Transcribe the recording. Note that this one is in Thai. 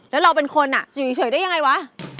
และเราเป็นคนก็จะอยู่เยอะเฉยได้อย่างไรวะ